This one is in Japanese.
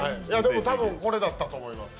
多分これだったと思います。